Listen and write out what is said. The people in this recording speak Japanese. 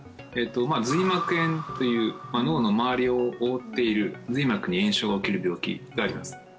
髄膜炎という脳の周りを覆っている髄膜に炎症が起きる病気があります